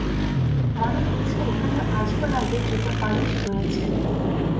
মনে হচ্ছে এখানে আসবার আগে জুতা পালিশ করেছে।